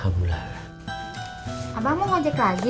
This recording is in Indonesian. abah mau ngajak lagi